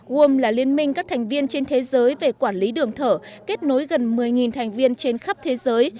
wom là liên minh các thành viên trên thế giới về quản lý đường thở kết nối gần một mươi thành viên trên khắp thế giới